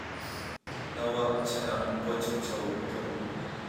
Noah chan ah buanchukcho a tlung.